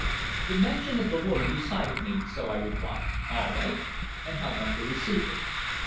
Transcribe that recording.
The mention of the woman decided me, so I replied "All right!" and hung up the receiver.